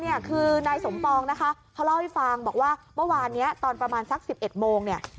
เนี่ยคือนายสมปองนะคะเขาเล่าให้ฟังบอกว่าเมื่อวานนี้ตอนประมาณสัก๑๑โมงเนี่ย